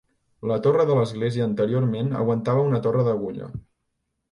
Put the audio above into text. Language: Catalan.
La torre de l'església anteriorment aguantava una torre d'agulla.